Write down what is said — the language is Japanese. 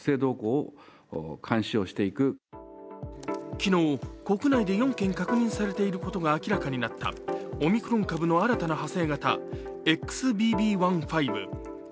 昨日国内で４件確認されていることが明らかになったオミクロン株の新たな派生型ＸＢＢ．１．５。